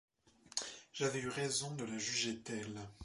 J’avais eu raison de la juger telle.